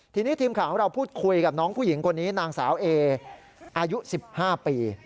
ทีนี้ทีมข่าวของเราพูดคุยกับน้องผู้หญิงคนนี้นางสาวเออายุ๑๕ปี